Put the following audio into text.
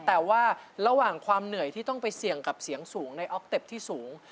แต่ว่าระหว่างความเหนื่อยที่ต้องไปเสี่ยงกับเสียงสูงในออกเต็ปที่สูง